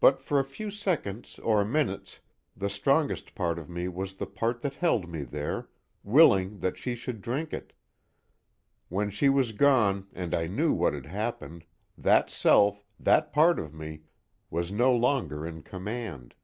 But for a few seconds or minutes the strongest part of me was the part that held me there, willing that she should drink it. When she was gone, and I knew what had happened, that self, that part of me, was no longer in command.